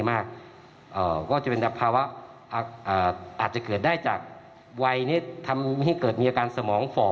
อาจจะเกิดได้จากวัยนี้ทำให้เกิดมีอาการสมองฝ่อ